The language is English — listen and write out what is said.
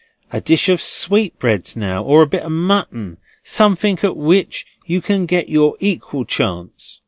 A dish of sweetbreads now, or a bit of mutton. Something at which you can get your equal chance."